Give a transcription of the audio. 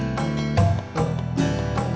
masih ya pak